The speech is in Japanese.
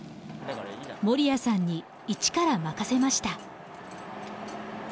守屋さんにいちから任せました。